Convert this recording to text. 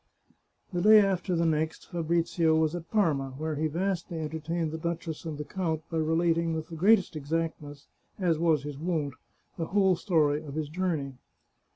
" The day after the next, Fabrizio was at Parma, where he vastly entertained the duchess and the count by relating with the greatest exactness, as was his wont, the whole story of his journey.